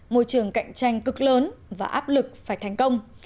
môi trường cạnh tranh cực lớn và áp lực phải thành công